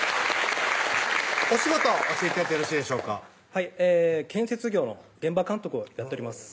お仕事教えて頂いてよろしいでしょうかはい建設業の現場監督をやっております